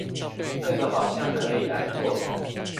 這個好像可以來做